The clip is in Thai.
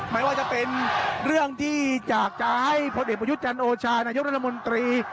ไม่ว่าจะเป็นเรื่องที่อยากจะให้พลเอกประยุทธ์จันทร์โอชานายกรัฐมนตรี